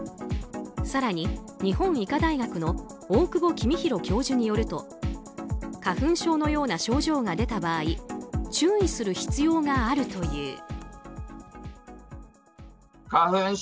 更に、日本医科大学の大久保公裕教授によると花粉症のような症状が出た場合注意する必要があるという。